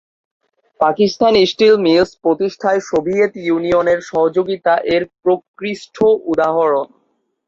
Pakistan steel mills প্রতিষ্ঠায় Soviet ইউনিয়নের সহযোগিতা এর প্রকৃষ্ট উদাহরণ।